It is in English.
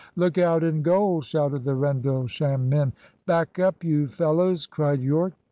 "Look out in goal!" shouted the Rendlesham men. "Back up, you fellows!" cried Yorke.